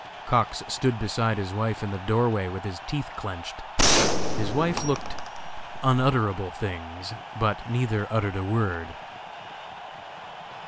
Cox stood beside his wife in the door way with his teeth clinched. His wife looked unutterable things, but neither uttered a word.